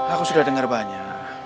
aku sudah dengar banyak